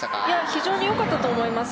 非常に良かったと思います。